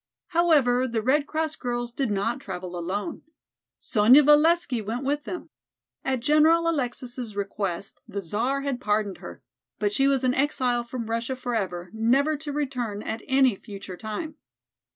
However, the Red Cross girls did not travel alone. Sonya Valesky went with them. At General Alexis' request the Czar had pardoned her, but she was an exile from Russia forever, never to return at any future time.